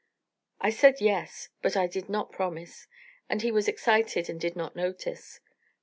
I said 'Yes,' but I did not promise, and he was excited and did not notice.